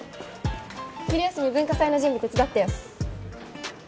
昼休み文化祭の準備手伝ってよ